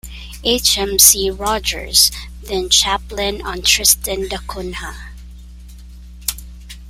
H. M. C. Rogers, then chaplain on Tristan da Cunha.